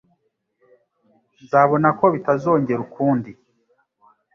Nzabona ko bitazongera ukundi.